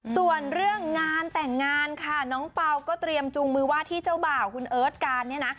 ส่วนเรื่องงานแต่งงานค่ะน้องเปล่าก็เตรียมจูงมือว่าที่เจ้าบ่าวคุณเอิร์ทการเนี่ยนะ